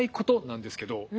なんですけど。